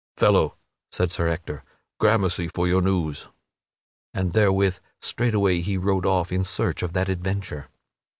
"Fellow," said Sir Ector, "grammercy for your news." And, therewith, straightway he rode off in search of that adventure.